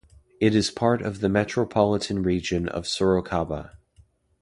It is part of the Metropolitan Region of Sorocaba.